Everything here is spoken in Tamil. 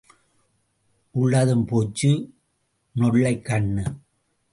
உள்ளதும் போச்சு நொள்ளைக் கண்ணு!